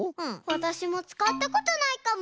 わたしもつかったことないかも。